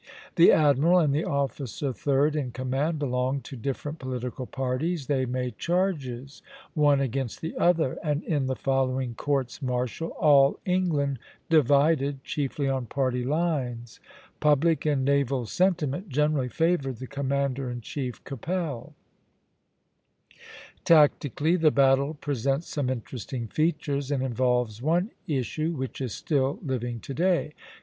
The admiral and the officer third in command belonged to different political parties; they made charges, one against the other, and in the following courts martial all England divided, chiefly on party lines. Public and naval sentiment generally favored the commander in chief, Keppel. [Illustration: Pl. IX. KEPPEL OFF USHANT JULY 27, 1778.] Tactically, the battle presents some interesting features, and involves one issue which is still living to day.